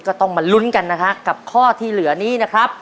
ก็ต้องมาลุ้นกันนะฮะกับข้อที่เหลือนี้นะครับ